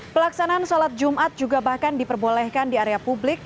pelaksanaan sholat jumat juga bahkan diperbolehkan di area publik